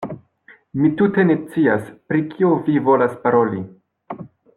Mi tute ne scias, pri kio vi volas paroli.